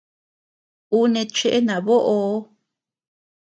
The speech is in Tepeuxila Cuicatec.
Ú neʼe cheʼe naboʼoo.